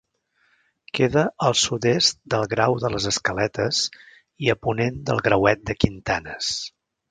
Queda al sud-est del Grau de les Escaletes i a ponent del Grauet de Quintanes.